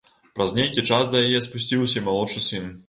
Праз нейкі час да яе спусціўся і малодшы сын.